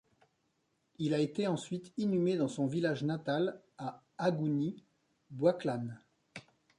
Il a été, ensuite, inhumé dans son village natal à Agouni Bouaklane.